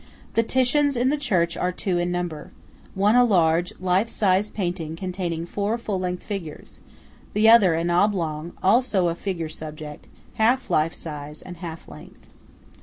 The Titians in the church are two in number:–one a large, life size painting containing four full length figures; the other an oblong, also a figure subject, half life size, and half length.